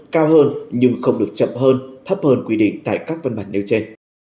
cao hơn nhưng không được chậm hơn thấp hơn quy định tại các văn bản nêu trên